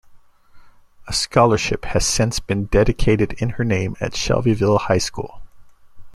A scholarship has since been dedicated in her name at Shelbyville High School.